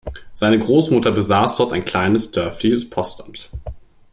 Seine Großmutter besaß dort ein kleines dörfliches Postamt.